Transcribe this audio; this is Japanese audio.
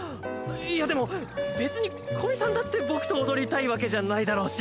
いやでも別に古見さんだって僕と踊りたいわけじゃないだろうし。